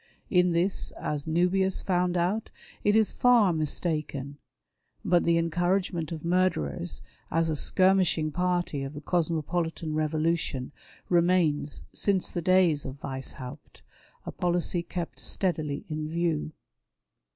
In this, as Nuhius found out, it is far mistaken. But the encouragement of murderers as a " skirmish ing" party of the Cosmopolitan Revolution remains since the days of Weishaupt — a policy kept steadily in view.